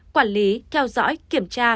quản lý theo dõi kiểm tra